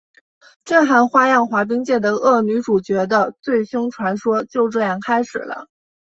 震撼花样滑冰界的恶女主角的最凶传说就这样开始了！